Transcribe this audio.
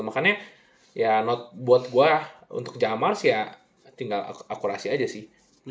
makanya buat gue untuk jamal sih ya tinggal akurasi aja sih